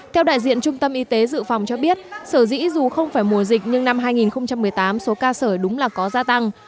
theo đại diện trung tâm y tế dự phòng cho biết sở dĩ dù không phải mùa dịch nhưng năm hai nghìn một mươi tám số ca sở đúng là có gia tăng